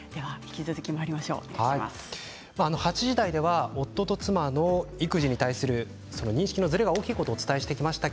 ８時台では、夫と妻育児に対する認識のずれが大きいことをお伝えしてきました。